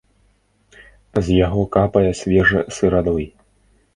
З яго капае свежы сырадой.